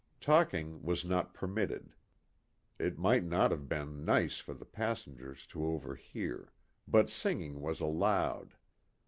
Talking was not permitted it might not have been nice for the passengers to overhear but singing was allowed.